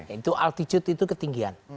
itu altitude itu ketinggian